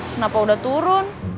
kenapa udah turun